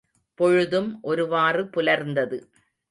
பொழுதும் ஒருவாறு புலர்ந்தது.